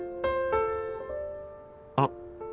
あっ！